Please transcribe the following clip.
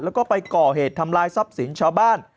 แล้วก็ไปก่อเหตุทำลายทรัพย์สินชาวบ้าน